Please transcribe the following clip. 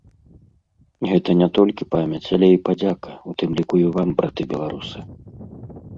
Гэта не толькі памяць, але і падзяка, у тым ліку і вам, браты беларусы!